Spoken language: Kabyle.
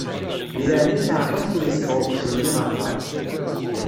Deg leεnaya-k εreḍ amek ur iteffeɣ uqjun-nni ɣer berra.